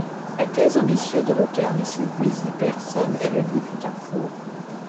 La thèse ambitieuse de l'auteur ne séduisit personne et le livre fut un four.